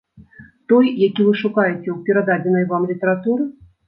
Той, які вы шукаеце ў перададзенай вам літаратуры?